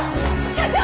社長！